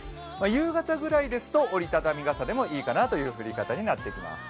夕方ぐらいですと折り畳み傘でもいいかなというぐらいの降り方になってきます。